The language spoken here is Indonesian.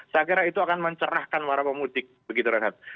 saya kira itu akan mencerahkan warna pemudik begitu renhardt